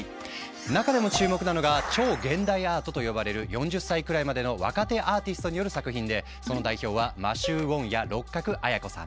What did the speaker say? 中でも注目なのが「超現代アート」と呼ばれる４０歳くらいまでの若手アーティストによる作品でその代表はマシュー・ウォンやロッカクアヤコさん。